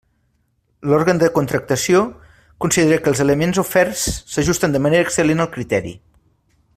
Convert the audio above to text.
L'òrgan de contractació considera que els elements oferts s'ajusten de manera excel·lent al criteri.